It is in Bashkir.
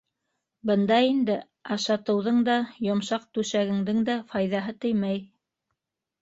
Бында инде ашатыуҙың да, йомшаҡ түшәгеңдең дә файҙаһы теймәй.